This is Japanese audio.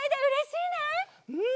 うん！